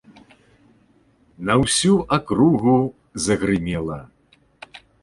На ўсю акругу загрымела.